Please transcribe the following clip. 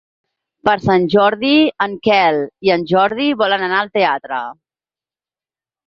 Per Sant Jordi en Quel i en Jordi volen anar al teatre.